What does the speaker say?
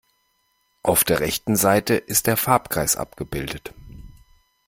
Auf der rechten Seite ist der Farbkreis abgebildet.